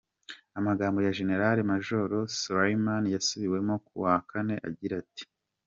Amagambo ya Jenerali Majoro Soleimani yasubiwemo ku wa kane agira ati:.